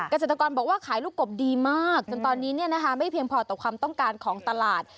เกษตรกรบอกว่าขายลูกกบดีมากจนตอนนี้ไม่เพียงพอต่อความต้องการของตลาด